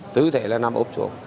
tứ thể là nằm ốp xuống